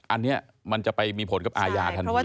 อันนี้มันจะไปมีผลกับอาญาทันที